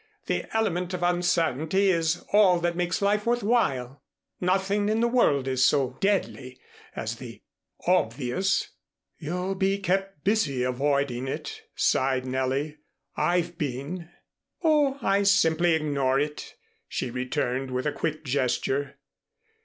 "The element of uncertainty is all that makes life worth while. Nothing in the world is so deadly as the obvious." "You'll be kept busy avoiding it," sighed Nellie. "I've been." "Oh, I simply ignore it," she returned, with a quick gesture.